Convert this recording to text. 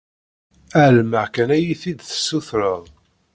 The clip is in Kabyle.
Ɛelmeɣ kan ad yi-t-id-tessutreḍ.